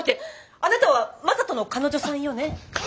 あなたは正門の彼女さんよね？